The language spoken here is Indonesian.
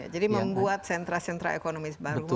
jadi membuat sentra sentra ekonomi baru